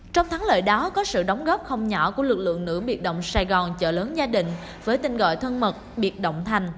trong thắng lợi đó có sự đóng góp không nhỏ của lãnh đạo